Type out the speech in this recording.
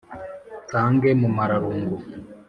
nsange mumararungu